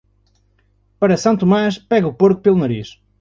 Para São Tomás, pegue o porco pelo nariz.